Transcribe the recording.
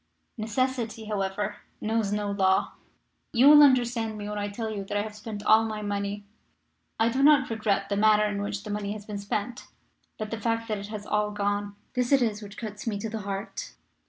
Necessity, however, knows no law. You will understand me when I tell you that I have spent all my money. I do not regret the manner in which the money has been spent, but the fact that it has all gone. This it is which cuts me to the heart.